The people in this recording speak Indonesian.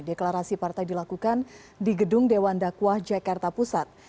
deklarasi partai dilakukan di gedung dewan dakwah jakarta pusat